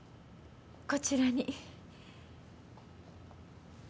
こちらに。